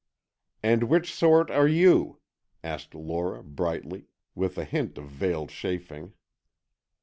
"And which sort are you?" asked Lora, brightly, with a hint of veiled chaffing.